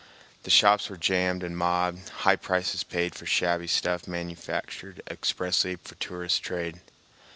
The shops were jammed and mobbed, high prices paid for shabby stuff manufactured expressly for tourist trade.